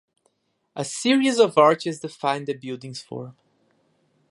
A series of arches define the buildings form.